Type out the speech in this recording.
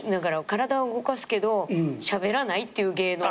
体を動かすけどしゃべらないっていう芸能。